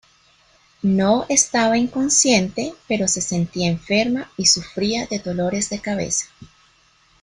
No estaba inconsciente, pero se sentía enferma y sufría de dolores de cabeza.